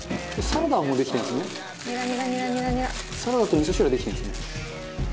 「サラダと味噌汁はできてるんですね」